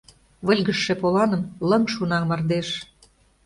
Выльгыжше поланым Лыҥ шуна мардеж.